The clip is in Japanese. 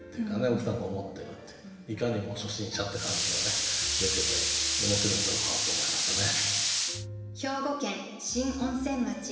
奥さんが思ってるっていういかにも初心者って感じが出てて面白い歌だなと思いましたね。